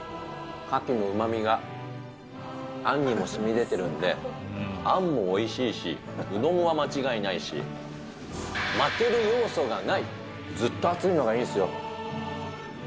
カキのうまみが、あんにもしみ出てるんで、あんもおいしいし、うどんは間違いないし、負ける要素がない、ずっと熱いのがいいですよ。